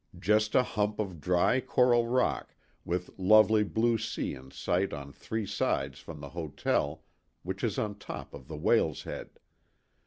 just a hump of dry coral rock with lovely blue sea in sight on three sides from the hotel, which is on top of the whale's head.